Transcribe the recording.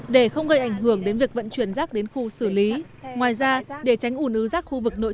để không gây ảnh hưởng đến việc vận chuyển rác đến khu xử lý ngoài ra để tránh ủn ứ rác khu vực nội